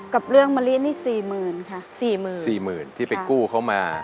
กับเรื่องมะลินี่๔๐๐๐๐ค่ะ